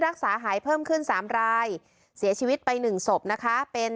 รักษาหายเพิ่มขึ้นสามรายเสียชีวิตไปหนึ่งศพนะคะเป็น